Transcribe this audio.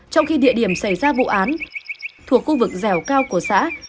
trong khi địa điểm xảy ra vụ án thuộc khu vực dẻo cao của xã